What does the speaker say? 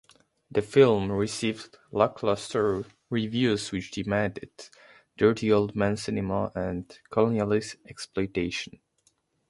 The film received lacklustre reviews which deemed it "dirty-old-man cinema" and colonialist exploitation.